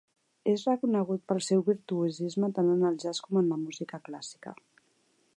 És reconegut pel seu virtuosisme tant en el jazz com en la música clàssica.